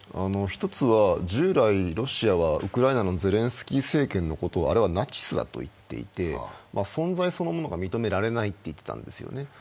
一つは従来ロシアはウクライナのゼレンスキー政権のことをあれはナチスだと言っていて存在そのものが認められないと言っていたんですよね。